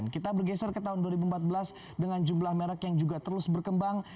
kita bergeser ke tahun dua ribu empat belas dengan jumlah merek yang juga terus berkembang